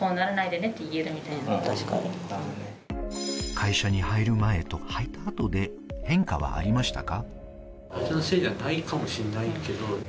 会社に入る前と入った後で変化はありましたか？